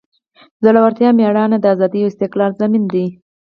زړورتیا او میړانه د ازادۍ او استقلال ضامن دی.